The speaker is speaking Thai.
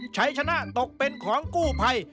ชัยชนะตกเป็นของกู้ภัย